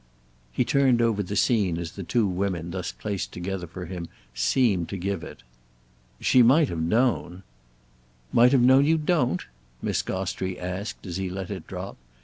He turned over the scene as the two women thus placed together for him seemed to give it. "She might have known—!" "Might have known you don't?" Miss Gostrey asked as he let it drop.